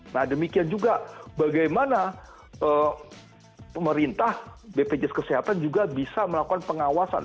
nah demikian juga bagaimana pemerintah bpjs kesehatan juga bisa melakukan pengawasan